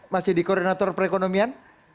masih di koordinator perekonomian